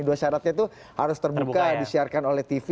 dua syaratnya itu harus terbuka disiarkan oleh tv